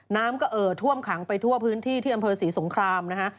น้ำก็เอ่อท่วมขังไปทั่วพื้นที่ที่อำเภอศรีสงครามนะฮะ